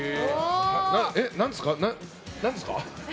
何ですか？